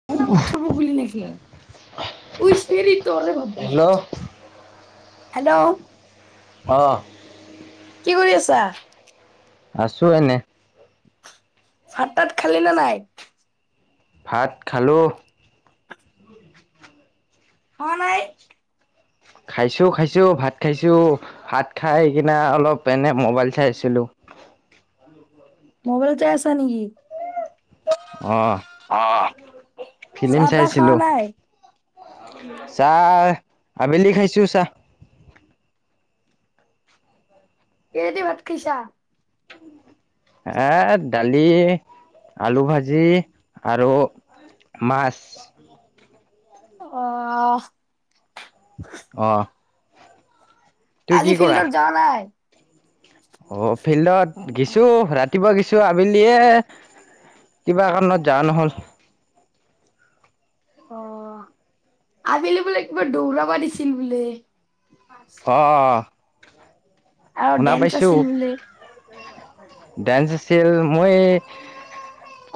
[unintelligible] [unintelligible] Hello hello অ' কি কৰি আছা? আছোঁ এনে। ভাত তাত খালি নে নাই? ভাত খালোঁ। খোৱা নাই? খাইছোঁ, খাইছোঁ, ভাত খাইছোঁ, ভাত খাই কিনে অলপ এনেই মোবাইল চাই আছিলোঁ। মোবাইল চাই আছা নেকি? অ' অ' ফিলিম চাইছিলোঁ, চাহ আবেলি খাইছোঁ চাহ। কিহে দি ভাত খাইছা? ভাত, দালি, আলু ভাজি আৰু মাছ। অ' অ' তুই আজি কি কৰা ফিল্ডত যাৱা নাই? অ', ফিল্ডত গেছোঁ, ৰাতিপুৱা গেছোঁ আবেলিয়ে কিবা কাৰণত যা নহ'ল। অ', আবেলি বোলে কিবা দৌৰা পাছিল বোলে। অ', আৰু শুনা ডেন্স পাইছোঁ। আছিল বোলে ডেন্স আছিল, মই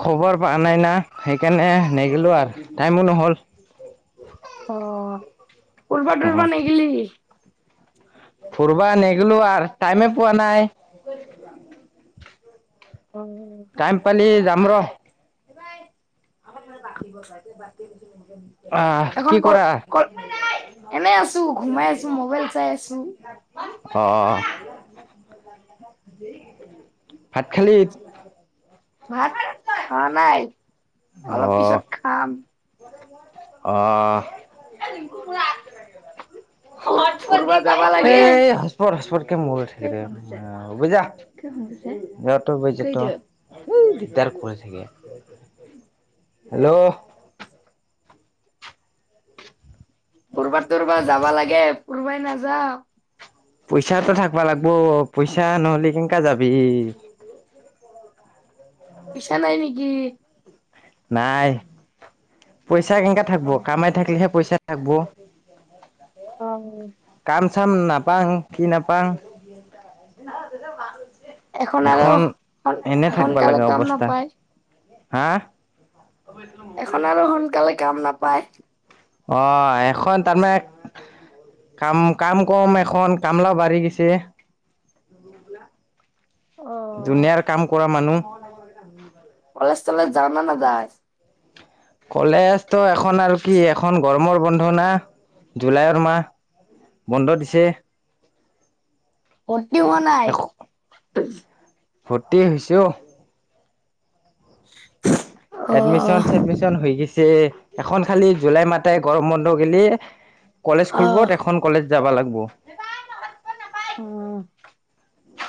খবৰ পোৱা নাই না, সেইকাৰণে নেগিলো আৰু, টাইমো নহ'ল। অ', অ ফুৰ্বা-টোৰবা নেগেলি? ফুৰবা নেগিলো আৰু, টাইমে পোৱা নাই। [inaudible] অ'। টাইম পালি যাম ৰ'। আহ কি এখন কৰা ক'ত-ক'ত, এনে আছোঁ, ঘুমাই আছোঁ, মবাইল চাই আছোঁ। অ', ভাত খালী? ভাত খোৱা নাই। অলপ অ'। পিছত খাম। আহ। ফুৰ ফুৰবা যাবা লাগে এ' হচপট-হচপটকে মৰি থাকে। অ', হ'ব যা [unintelligible] দিগদাৰ কৰি থাকে, হেল্ল'? কৰবাত-তৰবাৰ যাবা লাগে, ফুৰিবয়ে নাযাওঁ। পইচা এটা থাকবা লাগিব, পইচা নহ'লে কেনেকা যাবি। পইচা নাই নেকি? নাই, পইচা কেনেকা থাকিব, কামাই থাকিলেহে পইচা থাকিব। অ'। কাম-চাম নাপাওঁ, কি নাপাওঁ। এখন এনে থাকিবা সোনকালে লাগা কাম অৱস্থা, নাপায় হা? এখন আৰু সোনকালে কাম নাপায়। অ', এখন তাৰমানে কাম-কাম কম এখন, কামলাও বাঢ়ি গিছে। অ ধুনীয়াৰ কাম কৰা মানুহ। কলেজ-তলেজ যাওঁ নে নাযাওঁ? কলেজ তো এখন আৰু কি এখন গৰমৰ বন্ধ না, জুলাইৰ মাহ। বন্ধ দিছে। ভৰ্ত্তি হোৱা নাই? ভৰ্ত্তি হৈছে অ'। [inaudible] এডমিশন-চছেডমিশন হৈ গৈছে, এখন খালি জুলাই মাতাই গৰম বন্ধ গেলি কলেজ অ খুলব, এখন কলেজ যাবা লাগিব। অ'।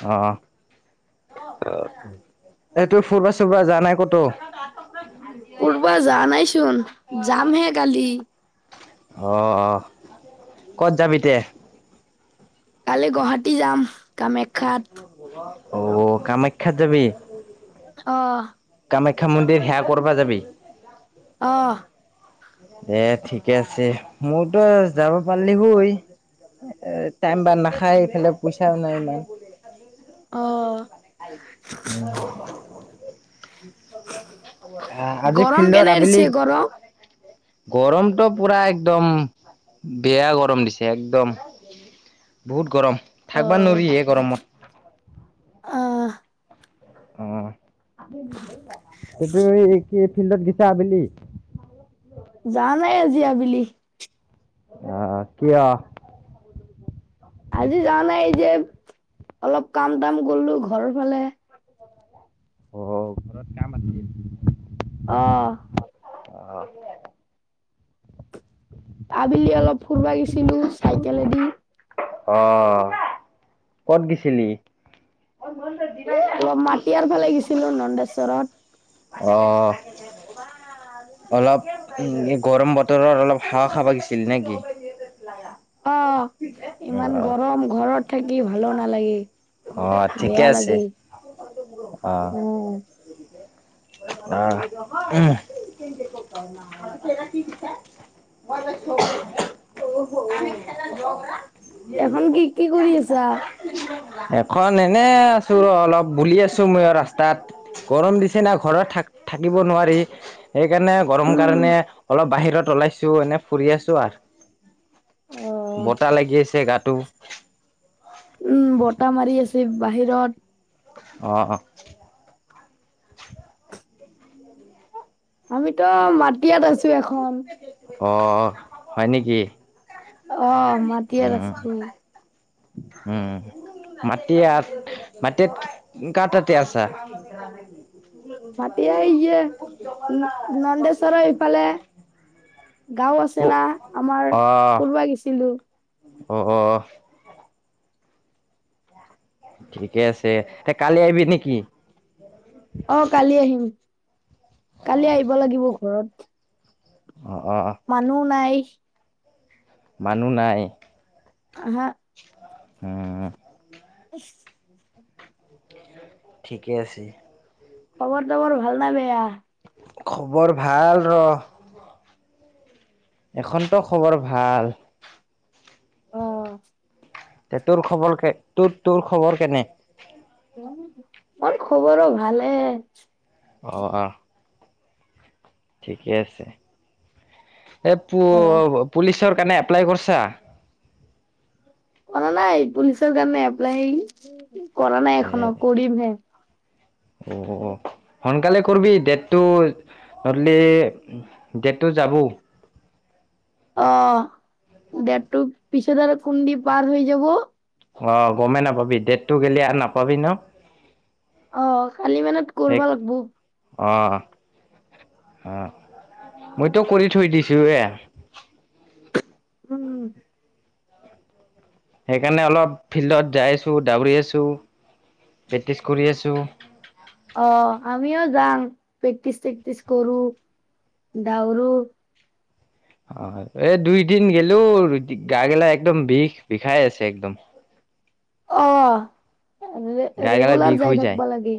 অ'। এইটো ফুৰবা-চুৰবা যোৱা নাই ক'তো? ফুৰবা যোৱা নাইচোন, যামহে কলি। অ', অ', ক'ত যাবি তে? কালি গুৱাহাটী যাম, কামাখ্যাত। অ', কামাখ্যাত যাবি? অ'। কামাখ্যা মন্দিৰ সেয়া কৰবা যাবি? অ'। দে ঠিকে আছে, মোৰতো যাব পাৰিলি হয়। টাইম বা নাখায় এইফালে পইচাও নাই ইমান। অ উম। আজি গৰম ফিল্ডত কেনে আবেলি দিছে গৰম গৰমটো পুৰা একদম, বেয়া গৰম দিছে একদম। বহুত গৰম, থাকবা অ'। নোৱাৰি হে গৰমত। আহ অ', সেইটো কি ফিল্ডত গেছা আবেলি? জাম হে আজি আবেলি। অ', অ', কিয়? আজি জাৱা নাই এই যে, অলপ কাম-তাম কৰিলোঁ ঘৰ ফালে। অ', ঘৰত কাম আছিল অ'। অ' আবেলি অলপ ফুৰবা গিছিলো চাইকেলেদি। অ'। ক'ত গেছিলি? এ অলপ মাতিয়াৰ ফালে গিছিলো নন্দেশ্বৰত। অ'। অলপ, গৰম বতৰত অলপ হোৱা খাব গৈছিলো নে কি? [unintelligible] অ', ইমান গৰম ঘৰত থাকি ভালো নালাগে। অ ঠিকে বেয়া আছে লাগে, উম। অ', উম। [unintelligible] [unintelligible] এখন কি কি কৰি আছা? এখন এনে আছো ৰ' অলপ বুলি আছো মইও ৰাস্তাত। গৰম দিছেনা ঘৰত থাক-থাকিব নোৱাৰি। সেইকাৰণে গৰম উম কাৰণে অলপ বাহিৰত ওলাইছো এনে ফুৰি আছো আৰ। অ বতাহ লাগি আছে গাটো। উম, বতাহ মাৰি আছে বাহিৰত। অ', অ'। আমিতো মাটিয়াত আছো এখন। অ', হয় নেকি? অ'। মাটিয়াত উম। আছো উম, মাটিয়াত মাটিয়াত কাৰ তাতে আছা? [unintelligible] মাটিয়া য়েই যে, উম, নন্দেশ্বৰৰ এইফালে। গাঁও আছে না আমাৰ অ ফুৰিবা গিছিলো। অ', অ'। ঠিকে আছে, তে কালি আহিবি নেকি? অ কালি আহিম, কালি আহিব লাগিব ঘৰত। অ-অ-অ'। মানুহ নাই। মানুহ নাই। আহা। উম [inaudible] [inaudible] ঠিকে আছে। খবৰ-তবৰ ভাল না বেয়া? খবৰ ভাল ৰ। এখনটো খবৰ ভাল। অ। তে তোৰ খবৰ কে, তোৰ-তোৰ খবৰ কেনে? অ খবৰো ভালে। অ অ। ঠিকে আছে। এ অ পু-পুলিচৰ কাৰণে এপ্লাই কৰিছা? কৰা নাই। পুলিচৰ কাৰণে এপ্লাই কৰা নাই এ এখনো কৰিমহে। অ সোনকালে কৰিবি ডেটটো নধলি ডেটটো যাব। অ ডেতটো পিছত আৰু কুন্দি পাৰ হৈ যাব অ গমেই নাপাবি ডেটটো গ'লে আৰু নাপাবি ন। অ কালি মানত সেই কৰিবা লাগব। অ অ, মইতো কৰি থৈ দিছো এ। উম। সেইকাৰণে অলপ ফিল্ডত যাই আছো, দউৰি আছো, প্ৰেক্টিচ কৰি আছো। অ আমিও যাং, প্ৰেক্টিচ প্ৰেক্টিচ কৰো, দউৰো অ হয়। এই দুইদিন গেলোঁ গা গেলা একদম বিষ বিষাই আছে একদম। অ গা গেলা বিষ ৰে-ৰেগুলাৰ যাই থাকিব লাগে।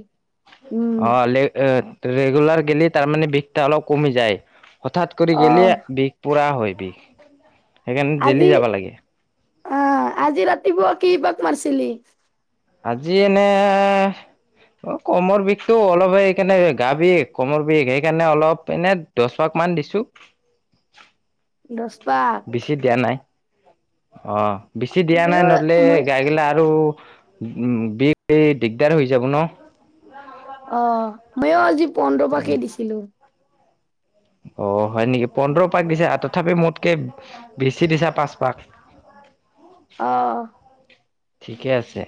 উম। ৰে-ৰেগুলাৰ গেললে তাৰমানে বিষটা অলপ কমি যায়। হঠাৎ কৰি অ গেললে বিষ পুৰা হয় বিষ, সেইকাৰণে দেলি যাব লাগে। অ আজি ৰাতিপুৱা কি বাক মাৰছিলি? আজি এনে অ কমৰ বিষটো অলপ সেইকাৰণে গা বিষ কমৰ বিষ সেইকাৰণে অলপ এনে দহপাকমান দিছো। দস পাক। বেছি দিয়া নাই। অ, বেছি দিয়া নাই ময়ো নদলে মই গাই গিলা আৰু উ বি এই দিগদাৰ হৈ যাব ন। অ ময়ো আজি পোন্ধৰ পাকে দিছিলো। অ হয় নেকি? পোন্ধৰ দিছো তথাপি মোতকে বেছি দিছা পাঁচ পাক। [unintelligible] অ। ঠিকে আছে।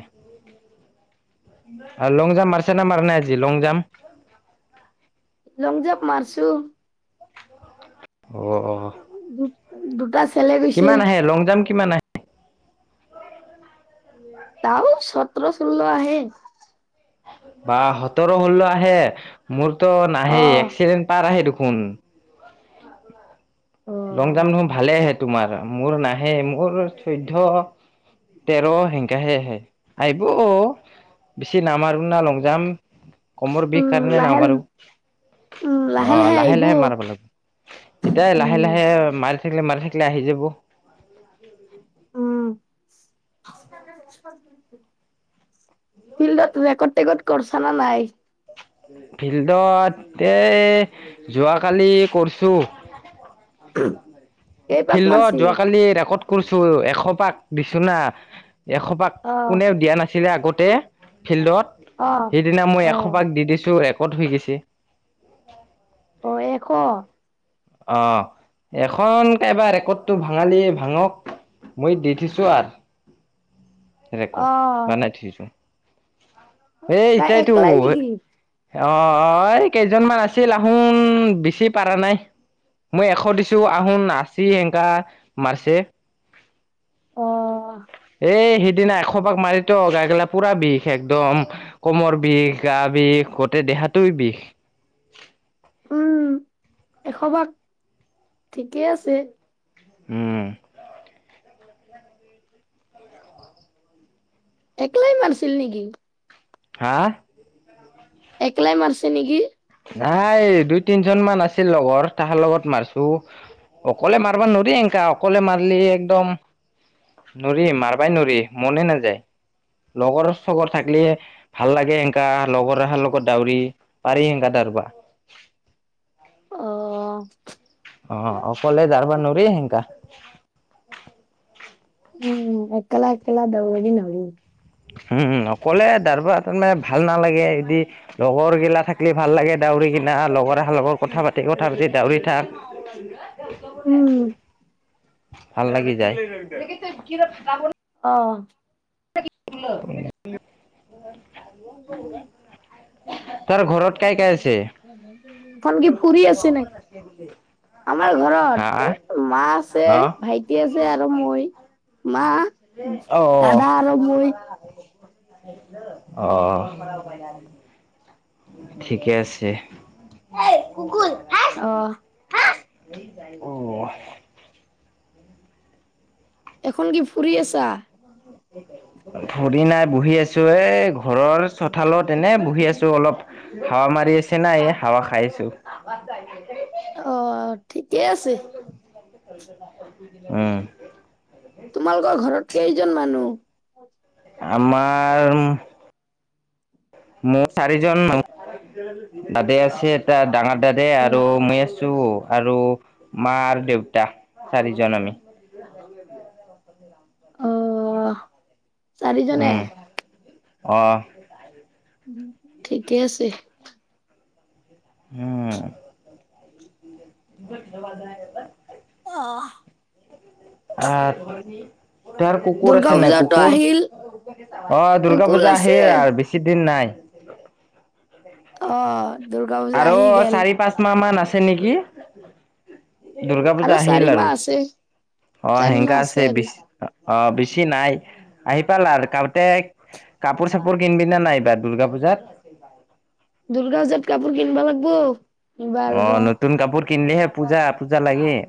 লং জাম্প মাৰছে ন মাৰ নাই আজি লং জাম্প? লং জাপ মাৰছোঁ। অ'। দু-দুটা কিমান আহে, লং জাম্প কিমান আহে? [unintelligible] সতৰ ষোল্ল আহে। বা সোতৰ ষোল্ল আহে মোৰতো অ নাহেই এক্সিলেণ্ট পাৰ আহে দেখোন। অ লং জাম্প দেখোন ভালে আহে তোমাৰ মোৰ নাহে, মোৰ চৈধ্য তেৰ সেনেকে হে আহে, আইব বেছি নামাৰো না লং জাম্প। কমৰ বিষ উম কাৰণে লাহে নামৰো, অ', লাহে লাহে মাৰব লাগিব। এটাই লাহে উম লাহে মাৰি থাকিলে মাৰি থাকিলে আহি যাব। উম [inaudible] ফিল্ডত ৰেকৰ্ড-টেকৰ্ড কৰছা না নাই? ফিল্ডত এই যোৱাকালি কৰিছোঁ। [unintelligible] ফিল্ডত মাৰছি যোৱাকালি ৰেকৰ্ড কৰিছো, এশ পাক দিছোঁ না এশ পাক অ', কোনেও দিয়া নাছিলে আগতে অ'। ফিল্ডত। সিদিনা মই অ', এশপাক দি দিছো ৰেকৰ্ড হৈ গৈচি। অ', এশ? অ', এখন কাইবা ৰেকৰ্ডটো ভাঙালি ভাঙক মই দি থৈছো আৰ। ৰেকৰ্ড অ', বনাই থৈছো, এই তাই এটাইতো একলাই অ', নেকি? এই কেইজনমান আছিল আহোন বেচি পাৰা নাই। মই এশ দিছো আহোন আশী এংকা মাৰছে। অ'। এই সিদিনা এশপাক মাৰি টো গাইগেলা পুৰা বিষ একদম। কোমৰ বিষ, গা বিষ, গোটেই দেহাতোই বিষ। উম, এশপাক ঠিকে আছে। উম। একলাই মাৰছিল নেকি? হা? একলাই মাৰছে নকি? নাই দুই তিনজন মান আছিল লগৰ তাহাৰ লগত মাৰছো। অকলে মাৰবা নোৰি এনকা অকলে মাৰলি একদম নোৰি মাৰিবাই নোৰি মনে নাযায়। লগৰ-চগৰ থাকলি ভাল লাগে সেনকা লগৰ অহাৰ লগত দাউৰি পাৰি সেনকা দাৰবা। অ'। অ', অকলে দাৰবা নৰি সেনকা। উম, একেলা একেলা দাৰবি নোৰি। উম, অকলে দাৰ্বা তাত মানে ভাল নালাগে এদি লগৰ গিলা থাকলি ভাল লাগে দাউৰি কিনা, লগৰ এহাৰ লগত কথা পাতি কথা পাতি ডাউৰি থাক। [unintelligible] উম। ভাল লাগি যায়। অ'। [unintelligible] তাৰ ঘৰত কাই কাই আছে? এখন কি ফুৰি আছে নেকি? [unintelligible] আমাৰ ঘৰত হা এ মা আছে, ভাইটি আছে আৰু মই। মা, দাদা আৰু মই। অঁ। ঠিকে আছে। অঁ। অঁ। এখন কি ফুৰি আছা? [unintelligible] ভৰি নাই বহি আছোঁ, এ ঘৰৰ চোতালত এনেই বহি আছোঁ অলপ- হাৱা মাৰি আছে না এই হাৱা খাই আছো। [unintelligible] অঁ' ঠিকে আছে। উমঁ'। তোমালোকৰ ঘৰত কেইজন মানুহ? আমাৰ- মোৰ চাৰিজন [unintelligible] দাদে আছে, এটা ডাঙৰ দাদাই আৰু মই আছোঁ- আৰু মা আৰু দেউতা চাৰিজন আমি। অঁ। উমঁ' অঁ'। ঠিকে আছে। উমঁ'। [unintelligible] অঁহ'। [unintelligible] তাৰ কুকুৰ দুৰ্গা আছে নাই পূজাতো কুকুৰ, আহিল, অঁ' দুৰ্গা কুকুল পূজা আহে আছে। আৰ বে বেছিদিন নাই। অঁ' দুৰ্গা পূজা আহি গেল। পাঁচমাহ মান আছে নেকি। দুৰ্গা আৰু পূজা চাৰি আহিল আৰু মাহ আছে, অঁ' চাৰি মাহ হেংকা আছে বে আৰু। অঁ' বেছি নাই, আহি পালা আৰু [unintelligible] কাপোৰ চাপোৰ কিনিবি না নাই এইবাৰ দুৰ্গা পূজাত? [unintelligible] দুৰ্গা পূজাত কাপোৰ কিনবা লাগব। কিনিবা অঁ' আৰু নতুন কাপোৰ কিনিলেহে পূজা পূজা লাগে।